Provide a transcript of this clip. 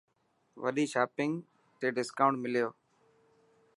وڏي شاپنگ تي دسڪائونٽ مليو.